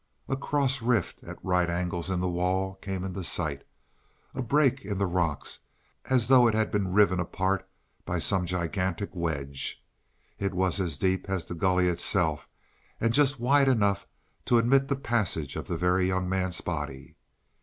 A cross rift at right angles in the wall came into sight a break in the rock as though it had been riven apart by some gigantic wedge. It was as deep as the gully itself and just wide enough to admit the passage of the Very Young Man's body.